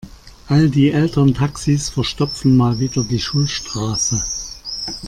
All die Elterntaxis verstopfen mal wieder die Schulstraße.